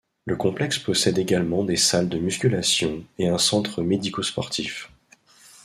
Le complexe possède également des salles de musculation et un centre médico-sportif.